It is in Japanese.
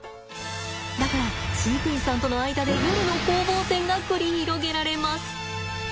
だから飼育員さんとの間で夜の攻防戦が繰り広げられます。